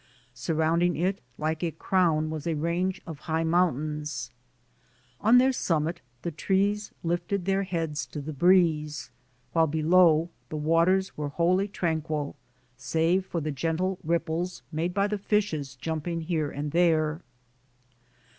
Surrounding it like a crown was a range of high mountains. On their summit, the trees lifted their heads to the breeze, while below the waters were wholly tranquil, save for the gentle ripples made by the fishes jumping here and there.